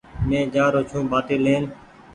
مين جآرو ڇون ٻآٽي لين ۔